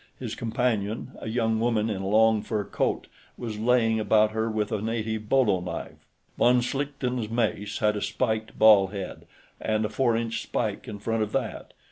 His companion, a young woman in a long fur coat, was laying about her with a native bolo knife. Von Schlichten's mace had a spiked ball head, and a four inch spike in front of that.